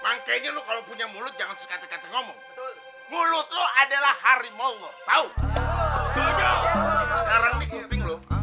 pangkeinan kalau punya mulut jangan sekat ngomong mulut lu adalah hari mau tahu sekarang